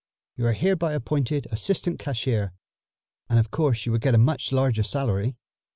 You are hereby appointed assistant cashier, and of course you will get a much larger salary."